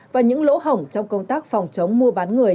và những lỗ hổng trong công tác phòng chống mua bán người